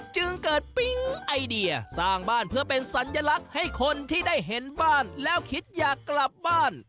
จึงเกิดปิ๊งไอเดียสร้างบ้านเพื่อเป็นสัญลักษณ์ให้คนที่ได้เห็นบ้านแล้วคิดอยากกลับบ้าน